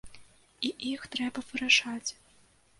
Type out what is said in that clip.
І іх трэба вырашаць.